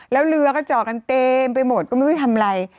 แล้วเรือก็จ่อกันเต็มไปหมดแล้วก็ไม่มีทำอะไร